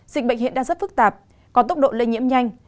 dịch bệnh hiện đang rất phức tạp có tốc độ lây nhiễm nhanh